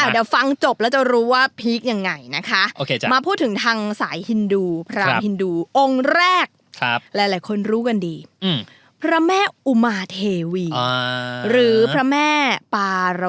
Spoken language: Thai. เดี๋ยวฟังจบแล้วจะรู้ว่าพีคยังไงนะคะ